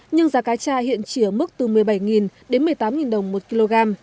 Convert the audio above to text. nhưng giá cá cha hiện chỉ ở mức từ một mươi bảy đến một mươi tám đồng một kg